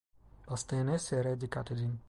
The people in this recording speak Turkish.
Bastığınız yere dikkat edin.